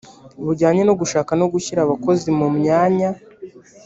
bujyanye no gushaka no gushyira abakozi mu myanya